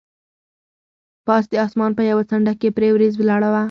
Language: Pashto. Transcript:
پاس د اسمان په یوه څنډه کې پرې وریځ ولاړه وه.